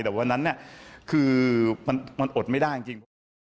แต่วันนั้นคือมันอดไม่ได้จริง